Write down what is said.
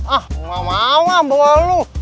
ah mau mau mbak walu